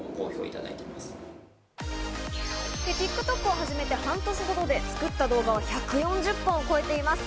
ＴｉｋＴｏｋを始めて半年ほどで作った動画は１４０本を超えています。